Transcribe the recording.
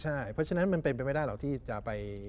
เพราะฉะนั้นมันเป็นไปไม่ได้หรอกที่จะไป